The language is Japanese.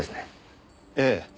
ええ。